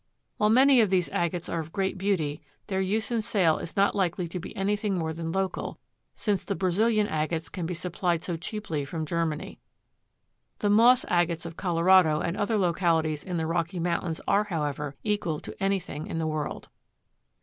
While many of these agates are of great beauty, their use and sale is not likely to be anything more than local, since the Brazilian agates can be supplied so cheaply from Germany. The moss agates of Colorado and other localities in the Rocky Mountains are, however, equal to anything in the world.